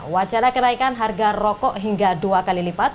wacana kenaikan harga rokok hingga dua kali lipat